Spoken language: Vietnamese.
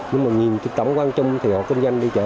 nhưng mà nhìn cái tổng quan chung thì họ kinh doanh đi chợ